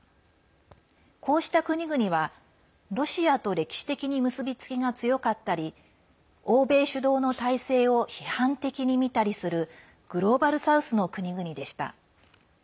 こうした国々は、ロシアと歴史的に結びつきが強かったり欧米主導の体制を批判的に見たりするグローバル・サウスの国々でした。